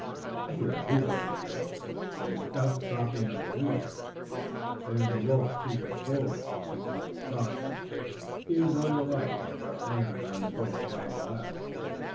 "I hear it too, Dagaeoga, and it is not the dropping of a leaf. It is a wolf creeping forward, seeking to stalk us. He is on the right, and there are others on both right and left.